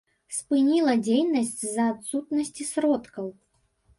Спыніла дзейнасць з-за адсутнасці сродкаў.